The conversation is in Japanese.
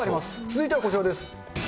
続いてはこちらです。